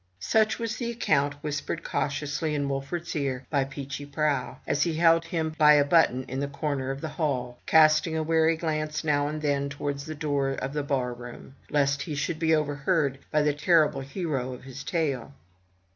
Such was the account whispered cautiously in Wolfert's ear by Peechy Prauw as he held him by a button in the corner of the hall, casting a wary glance now and then towards the door of the bar room, lest he should be overheard by the terrible hero of his tale.